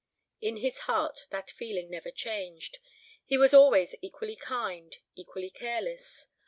In his heart that feeling never changed. He was always equally kind, equally careless.